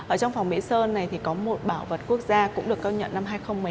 ở trong phòng mỹ sơn này thì có một bảo vật quốc gia cũng được công nhận năm hai nghìn một mươi năm